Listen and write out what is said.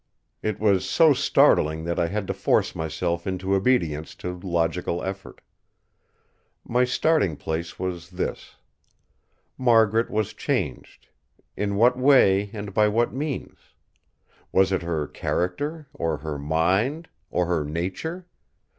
It was so startling that I had to force myself into obedience to logical effort. My starting place was this: Margaret was changed—in what way, and by what means? Was it her character, or her mind, or her nature?